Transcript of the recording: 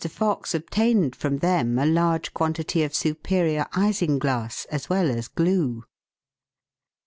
Fox obtained from them a large quantity of superior isinglass as well as glue.